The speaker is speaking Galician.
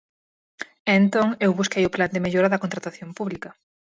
E entón eu busquei o Plan de mellora da contratación pública.